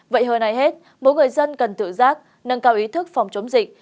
vậy hơn ai hết mỗi người dân cần tự giác nâng cao ý thức phòng chống dịch